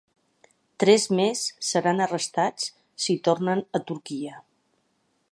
Tres més seran arrestats si tornen a Turquia.